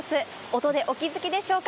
音でお気付きでしょうか。